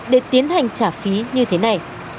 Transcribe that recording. để tiến hành trả phí như thế này